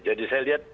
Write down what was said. jadi saya lihat